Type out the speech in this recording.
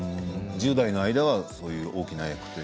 １０代でそういう大きな役は。